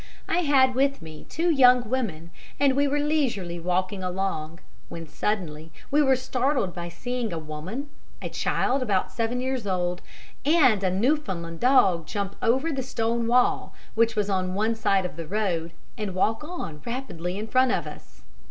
I had with me two young women, and we were leisurely walking along, when suddenly we were startled by seeing a woman, a child about seven years old, and a Newfoundland dog jump over the stone wall which was on one side of the road, and walk on rapidly in front of us.